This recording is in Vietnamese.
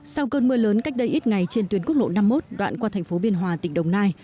sau cơn mưa lớn cách đây ít ngày trên tuyến quốc lộ năm mươi một đoạn qua thành phố biên hòa tỉnh đồng nai